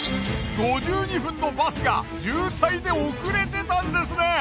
５２分のバスが渋滞で遅れてたんですね！